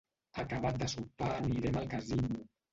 Acabat de sopar anirem al casino.